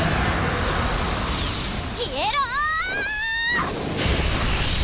消えろ！